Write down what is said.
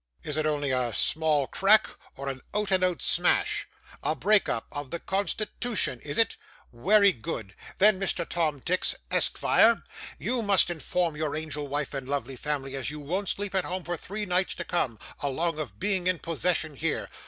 Is it only a small crack, or a out and out smash? A break up of the constitootion is it? werry good. Then Mr. Tom Tix, esk vire, you must inform your angel wife and lovely family as you won't sleep at home for three nights to come, along of being in possession here.